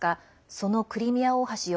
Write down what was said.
そのクリミア大橋を